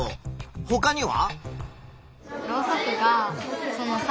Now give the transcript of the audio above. ほかには？